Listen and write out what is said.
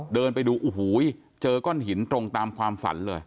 เดินไปดูโอ้โหเจอก้อนหินตรงตามความฝันเลย